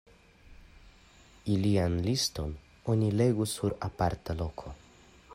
Ilian liston oni legu sur aparta loko.